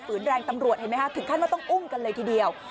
ฝืนแรงตำรวจถึงขั้นว่าต้องอุ้งกันเลยทีเดียว